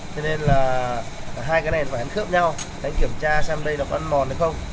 cho nên là hai cái này phải hãy khớp nhau để kiểm tra xem đây nó còn mòn hay không